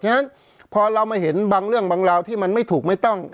ฉะนั้นพอเรามาเห็นบางเรื่องบางราวที่มันไม่ถูกไม่ต้อง